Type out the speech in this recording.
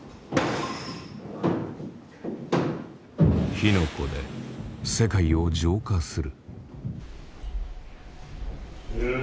火の粉で世界を浄化する。